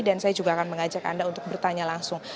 dan saya juga akan mengajak anda untuk bertanya langsung